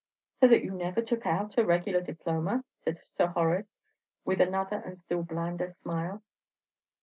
"So that you never took out a regular diploma?" said Sir Horace, with another and still blander smile.